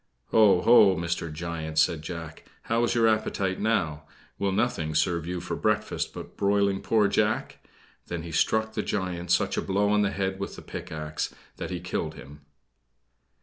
"Oh, ho, Mr. Giant!" said Jack. "How is your appetite now! Will nothing serve you for breakfast but broiling poor Jack?" Then he struck the giant such a blow on the head with a pickaxe that he killed him.